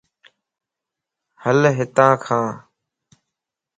ھلَ ھتان ڪان